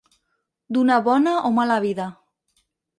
Donar bona o mala vida.